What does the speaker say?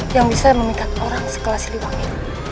yang bisa memikat orang sekelas siliwangi